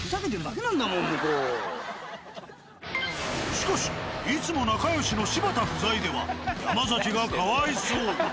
しかしいつも仲良しの柴田不在では山崎がかわいそう。